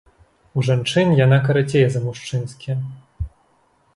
У жанчын яна карацей за мужчынскія.